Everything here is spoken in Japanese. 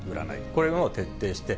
これを徹底して。